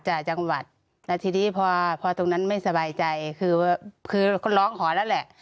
จ้ะจังหวัดแต่ทีนี้พอตรงนั้นไม่สบายใจคือร้องขอแล้วแหละ